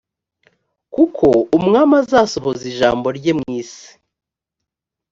kuko umwami azasohoza ijambo rye mu isi